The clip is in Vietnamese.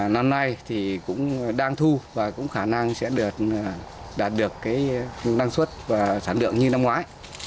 năm nay thì cũng đang thu và cũng khả năng sẽ đạt được năng suất và sản lượng như năm ngoái